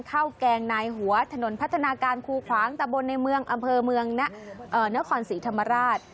ข้าวแกงในหัวถนนพัฒนาการครูขวางตะบนในอำเภอเมืองนะเนื้อข่อนศรีธรรมราช